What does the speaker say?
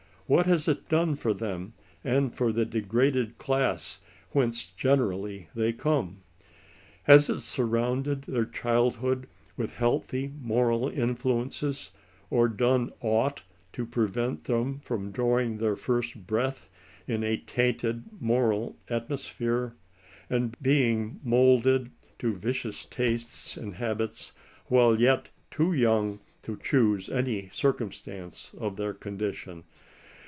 What has it done for them, and for the degraded class whence generally they come ? Has it surrounded their childhood with healthy moral influences, or done aught to prevent them from drawing their first hreath in a tainted moral atmosphere, and heing moulded to vicious tastes and habits while yet too young to choose any circumstance of their condition